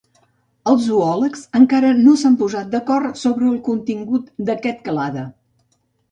Els zoòlegs encara no s'han posat d'acord sobre el contingut d'aquest clade.